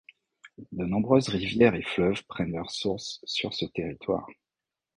De nombreuses rivières et fleuves prennent leurs sources sur ce territoire.